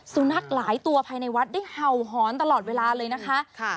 สุนัขหลายตัวภายในวัดได้เห่าหอนตลอดเวลาเลยนะคะ